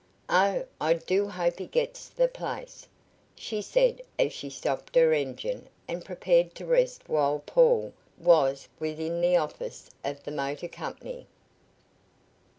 "Oh, I do hope he gets the place," she said as she stopped her engine and prepared to rest while Paul was within the office of the motor company.